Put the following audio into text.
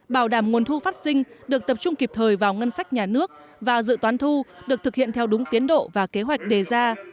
bảo đảm nguồn thu phát sinh được tập trung kịp thời vào ngân sách nhà nước và dự toán thu được thực hiện theo đúng tiến độ và kế hoạch đề ra